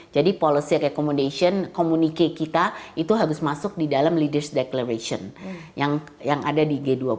jadi policy recommendation komunike kita itu harus masuk di dalam leaders declaration yang ada di g dua puluh